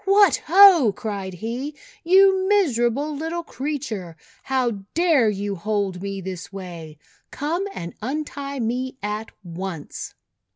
"What! Ho!" cried he. "You miserable little creature, how dare you hold me this way? Come and untie me at once."